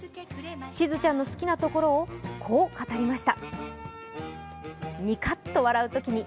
しずちゃんの好きなところをこう語りました。